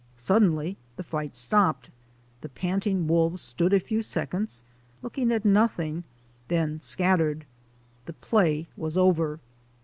Suddenly the fight stopped, the panting wolves stood for a few seconds looking at nothing, then scattered. The play was over.